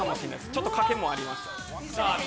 ちょっと賭けもありましたさあ